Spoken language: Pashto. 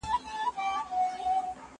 زه به سبا تمرين کوم